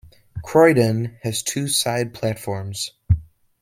Croydon has two side platforms.